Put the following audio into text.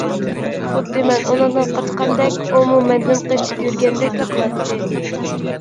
خۇددى مەن ئۇنىڭدىن قاچقاندەك، ئۇمۇ مەندىن قېچىپ يۈرگەندەكلا قىلاتتى.